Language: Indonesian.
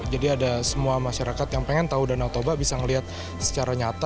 jadi ada semua masyarakat yang pengen tahu danau toba bisa melihat secara nyata